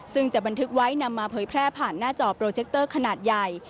ซึ่งจะบันทึกไว้นำมาเผยแพร่ผ่านหน้าจอโปรเจคเตอร์ขนาดใหญ่